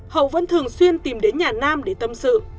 hậu vẫn thường xuyên tìm đến nhà nam để tâm sự